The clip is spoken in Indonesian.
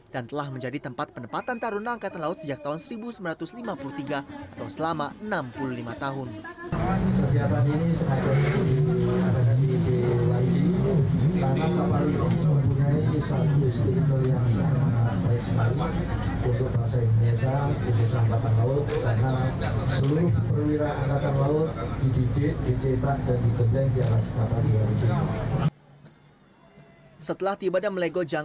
dan telah menjadi tempat penempatan tarun angkatan laut sejak tahun seribu sembilan ratus lima puluh tiga atau selama enam puluh lima tahun